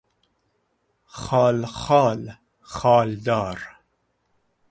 خال خال، خالدار